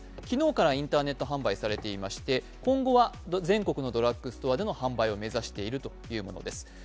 昨日からインターネット販売されていまして、今後は全国のドラッグストアでの販売を目指しているということです。